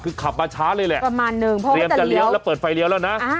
คือขับมาช้าเลยแหละเตรียมจะเลี้ยวแล้วเปิดไฟเลี้ยวแล้วนะ